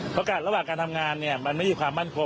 ประกอบระหว่างการทำงานยังไม่มีความมั่นโครง